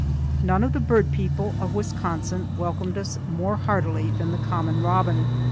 None of the bird people of Wisconsin welcomed us more heartily than the common robin.